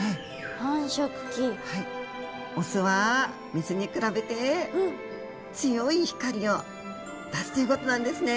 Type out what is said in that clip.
オスはメスに比べて強い光を出すということなんですね。